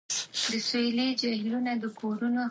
سانتیاګو د شخصي افسانې ارزښت درک کوي.